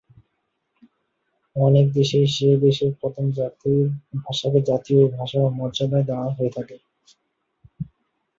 অনেক দেশেই সে দেশের প্রধান জাতির ভাষাকে জাতীয় ভাষার মর্যাদা দেওয়া হয়ে থাকে।